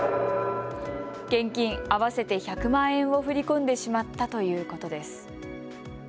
現金合わせて１００万円を振り込んでしまったということです。